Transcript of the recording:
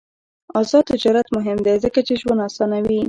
آزاد تجارت مهم دی ځکه چې ژوند اسانوي.